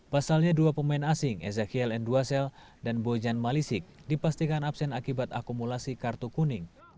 pasalnya dua pemain asing ezekiel n duasel dan boyjan malisik dipastikan absen akibat akumulasi kartu kuning